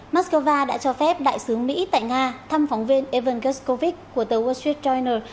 moscow đã cho phép đại sứ mỹ tại nga thăm phóng viên ivan gorshkovich của tờ wall street journal